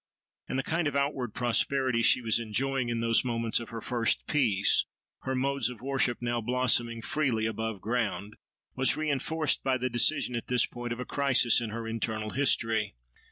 And the kind of outward prosperity she was enjoying in those moments of her first "Peace," her modes of worship now blossoming freely above ground, was re inforced by the decision at this point of a crisis in her internal history.